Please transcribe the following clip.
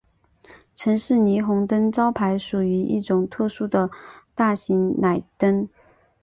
城市霓虹灯招牌属于一种特殊的大型氖灯。